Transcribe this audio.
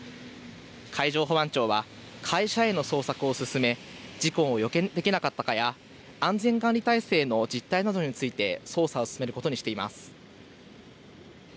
海上保安庁は会社への捜索を進め事故を予見できなかったかや安全管理体制の実態などについて捜査を進めることにしています。